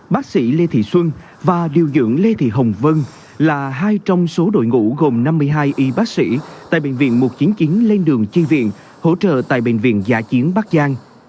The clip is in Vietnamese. bác sĩ lê thị xuân và điều dưỡng lê thị hồng vân là hai trong số đội ngũ gồm năm mươi hai y bác sĩ tại bệnh viện một trăm chín mươi chín lên đường chi viện hỗ trợ tại bệnh viện giả chiến bắc giang